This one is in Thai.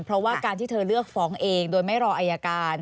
เพราะว่าการที่เธอเลือกฟ้องเองโดยไม่รออายการ